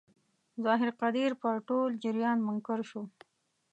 ظاهر قدیر پر ټول جریان منکر شو.